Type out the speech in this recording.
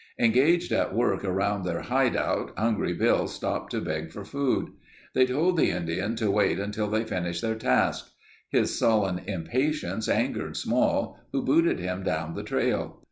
Engaged at work around their hideout, Hungry Bill stopped to beg for food. They told the Indian to wait until they finished their task. His sullen impatience angered Small who booted him down the trail.